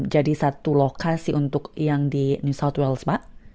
jadi satu lokasi untuk yang di nsw pak